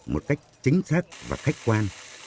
một cách chính xác và khách quan